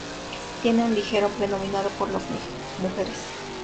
Tiene un ligero predominio por las mujeres.